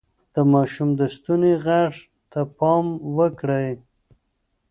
د ماشوم د ستوني غږ ته پام وکړئ.